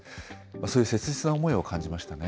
そういう切実な思いを感じましたね。